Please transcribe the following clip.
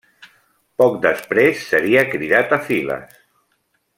Poc després seria cridat a files.